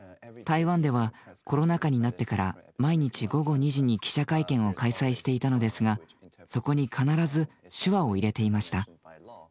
台湾ではコロナ禍になってから毎日午後２時に記者会見を開催していたのですがそこに必ず手話を入れていました。